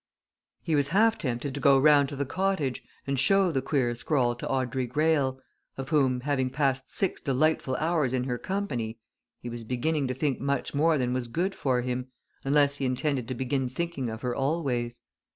He was half tempted to go round to the cottage and show the queer scrawl to Audrey Greyle, of whom, having passed six delightful hours in her company he was beginning to think much more than was good for him, unless he intended to begin thinking of her always.